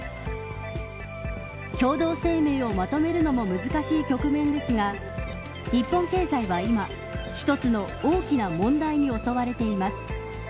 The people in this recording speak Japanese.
共同声明をまとめるのも難しい局面ですが日本経済は今一つの大きな問題に襲われています。